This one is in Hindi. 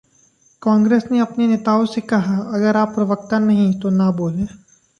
कांग्रेस ने अपने नेताओं से कहा, 'अगर आप प्रवक्ता नहीं हैं, तो ना बोलें'